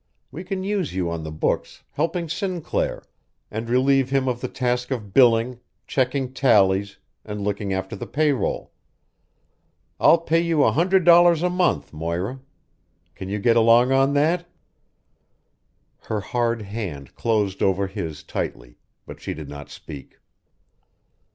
We can use you on the books, helping Sinclair, and relieve him of the task of billing, checking tallies, and looking after the pay roll. I'll pay you a hundred dollars a month, Moira. Can you get along on that?" Her hard hand closed over his tightly, but she did not speak.